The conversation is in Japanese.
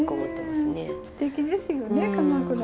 すてきですよね鎌倉。